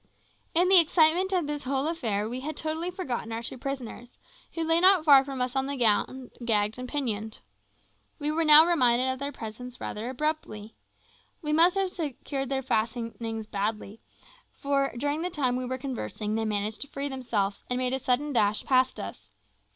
In the excitement of this whole affair we had totally forgotten our two prisoners, who lay not far from us on the ground, gagged and pinioned. We were now reminded of their presence rather abruptly. We must have secured their fastenings badly, for during the time we were conversing they managed to free themselves, and made a sudden dash past us.